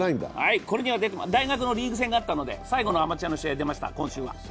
大学のリーグ戦があったので、最後のアマチュアの試合出ました、今週は。